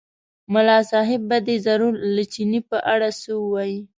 ملا صاحب به دی ضرور له چیني په اړه څه ووایي.